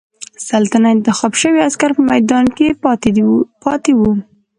سل تنه انتخاب شوي عسکر په میدان کې پاتې وو.